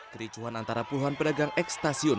kericuhan antara puluhan pedagang ekstasiun